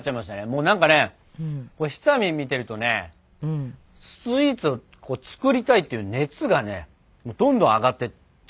もうなんかねひさみん見てるとねスイーツを作りたいっていう熱がねどんどん上がってっちゃったね。